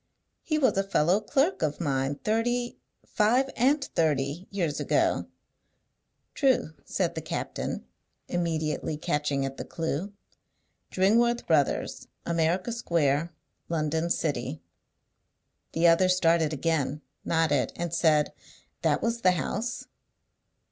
"He was a fellow clerk of mine thirty five and thirty years ago." "True," said the captain, immediately catching at the clew: "Dringworth Brothers, America Square, London City." The other started again, nodded, and said, "That was the house."